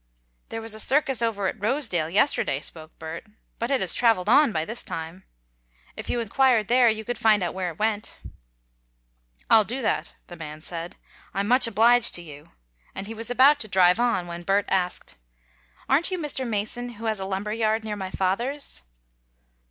"There was a circus over at Rosedale yesterday," spoke Bert, "but it has traveled on by this time. If you inquired there you could find out where it went." "I'll do that," the man said. "I'm much obliged to you," and he was about to drive on, when Bert asked: "Aren't you Mr. Mason, who has a lumber yard near my father's?"